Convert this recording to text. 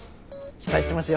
期待してますよ。